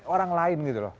orang lain gitu loh